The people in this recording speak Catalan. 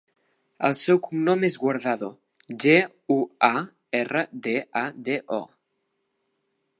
El seu cognom és Guardado: ge, u, a, erra, de, a, de, o.